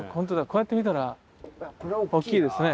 こうやって見たら大きいですね。